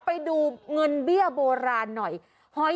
ไปดูเงินเบี้ยโบราณหน่อย